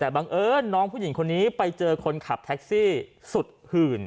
แต่บังเอิญน้องผู้หญิงคนนี้ไปเจอคนขับแท็กซี่สุดหื่น